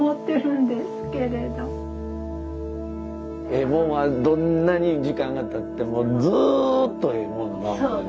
ええもんはどんなに時間がたってもずっとええもんのままですもんね。